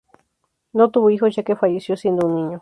No tuvo hijos ya que falleció siendo un niño.